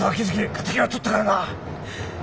敵はとったからな！